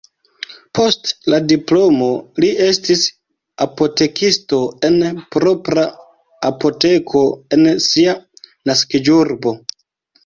Post la diplomo li estis apotekisto en propra apoteko en sia naskiĝurbo.